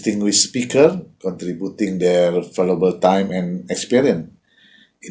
yang memberikan waktu dan pengalaman yang berharga